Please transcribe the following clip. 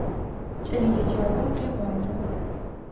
Кӏэлэеджакӏом къеӏуатэ.